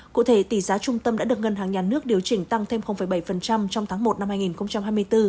cụ thể tỷ giá trung tâm đã được ngân hàng nhà nước điều chỉnh tăng thêm bảy trong tháng một năm hai nghìn hai mươi bốn